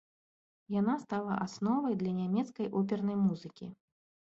Яна стала асновай для нямецкай опернай музыкі.